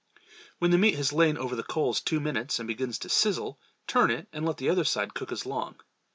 When the meat has lain over the coals two minutes and begins to "sizzle," turn it and let the other side cook as long.